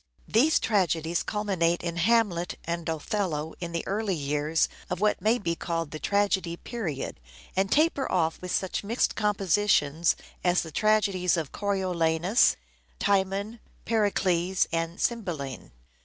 These tragedies culminate in " Hamlet " and " Othello," in the early years of what may be called the tragedy period, and taper off with such mixed compositions as the tragedies of " Coriolanus,"'" Timon," " Pericles " and " Cymbeline."